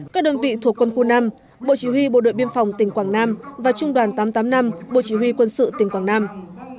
các đơn vị thuộc quân khu năm bộ chỉ huy bộ đội biên phòng tỉnh quảng nam và trung đoàn tám trăm tám mươi năm bộ chỉ huy quân sự tỉnh quảng nam